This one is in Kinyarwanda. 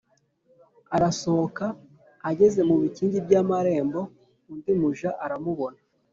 Arasohoka ageze mu bikingi by’amarembo undi muja aramubona